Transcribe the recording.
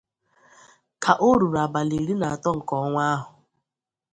ka o rùrù abalị iri na atọ nke ọnwa ahụ